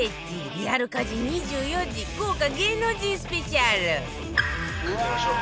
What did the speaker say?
リアル家事２４時豪華芸能人スペシャルかけましょう。